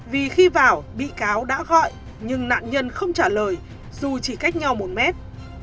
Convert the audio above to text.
vì khi vào bị cáo đã gọi nhưng nạn nhân không trả lời dù chỉ cách nhau một mét